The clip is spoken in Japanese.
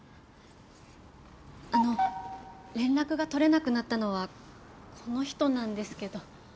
あの連絡が取れなくなったのはこの人なんですけど。